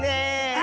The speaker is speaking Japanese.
あ！